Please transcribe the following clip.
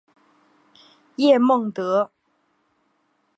叶梦得。